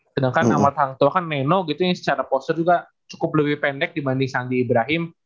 sedangkan amal tahangtua kan neno gitu yang secara posture juga cukup lebih pendek dibanding sandi ibrahim